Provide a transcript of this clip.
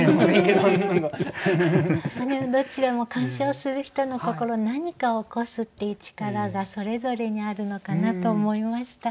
どちらも鑑賞する人の心の何かを起こすっていう力がそれぞれにあるのかなと思いました。